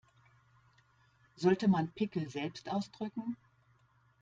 Sollte man Pickel selbst ausdrücken?